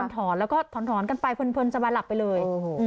ถอนแล้วก็ถอนกันไปเพลินจะมาหลับไปเลย